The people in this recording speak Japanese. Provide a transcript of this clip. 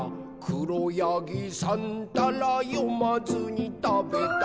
「しろやぎさんたらよまずにたべた」